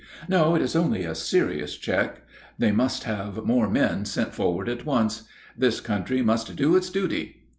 "No, it is only a serious check; they must have more men sent forward at once. This country must do its duty."